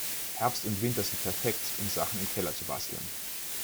Herbst und Winter sind perfekt, um Sachen im Keller zu basteln.